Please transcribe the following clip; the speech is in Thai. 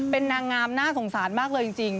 เป็นนางงามน่าสงสารมากเลยจริง